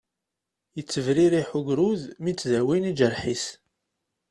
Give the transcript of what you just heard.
Yettebririḥ ugrud mi ttdawin iǧerḥ-is.